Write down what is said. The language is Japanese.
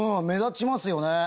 目立ちますよね。